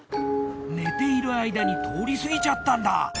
寝ている間に通りすぎちゃったんだ。